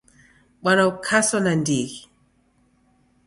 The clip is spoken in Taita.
Bwana ukaso nandighi!